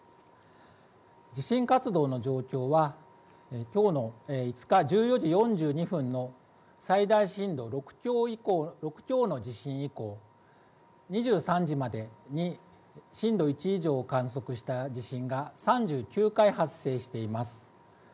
地震活動の状況はきょうの５日１４時４５分の最大震度６強の地震以降２３時までに震度１以上を観測した地震が３９回発生しています。